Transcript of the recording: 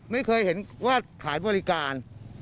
ไม่เคยเห็นว่าขายบริการ